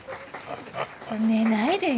ちょっと寝ないでよ。